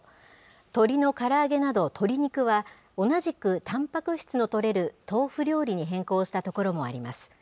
鶏のから揚げなど鶏肉は、同じくたんぱく質のとれる豆腐料理に変更したところもあります。